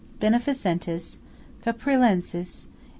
BENEFICENTISS . CAPRILENSES